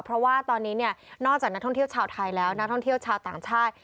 เพราะว่าตอนนี้เนี่ยนอกจากนักท่องเที่ยวชาวไทยแล้วนักท่องเที่ยวชาวต่างชาติ